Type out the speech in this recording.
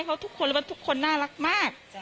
ไว้เค้าทุกคนแล้วเพราะทุกคนน่ารักมาก